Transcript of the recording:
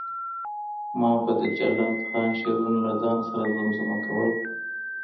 ما به د جلات خان شعرونه له ځان سره زمزمه کول.